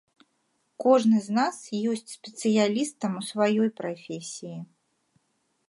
Кожны з нас ёсць спецыялістам у сваёй прафесіі.